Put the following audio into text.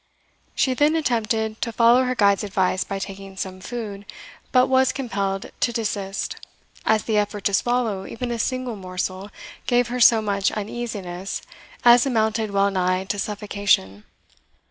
She then attempted to follow her guide's advice by taking some food, but was compelled to desist, as the effort to swallow even a single morsel gave her so much uneasiness as amounted well nigh to suffocation.